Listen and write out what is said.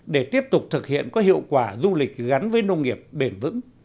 để tiếp tục thực hiện có hiệu quả du lịch gắn với nông nghiệp bền vững